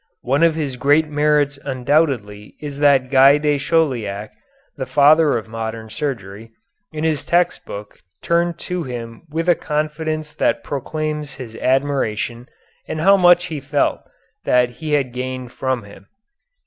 One of his great merits undoubtedly is that Guy de Chauliac, the father of modern surgery, in his text book turned to him with a confidence that proclaims his admiration and how much he felt that he had gained from him.